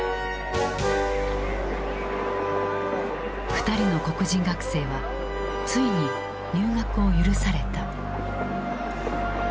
２人の黒人学生はついに入学を許された。